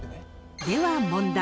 では問題。